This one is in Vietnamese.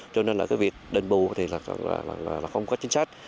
cho nên việc đền bù không có chính sách